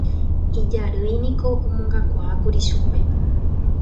Ijarýiniko omongakuaákuri chupe